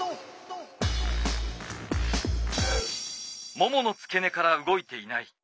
もものつけ根から動いていない。